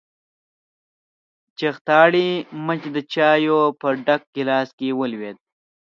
چختاړي مچ د چايو په ډک ګيلاس کې ولوېد.